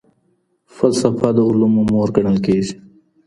فلسفه د علومو مور ګڼل کيده.